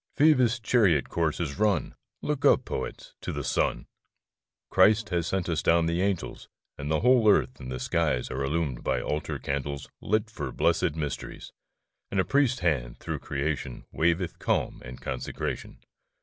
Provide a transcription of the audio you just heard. Phoebus' chariot course is run ! Look up, poets, to the sun ! Christ hath sent us down the angels; And the whole earth and the skies Are illumed by altar candles TRUTH. 35 Lit for blessed mysteries ; And a Priest's Hand, through creation, Waveth calm and consecration.